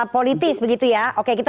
politis begitu ya oke kita